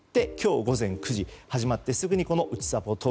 今日午前９時、始まってすぐにうちさぽ